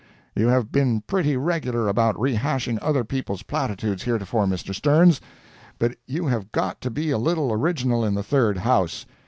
You have been pretty regular about re hashing other people's platitudes heretofore, Mr. Sterns, but you have got to be a little original in the Third House.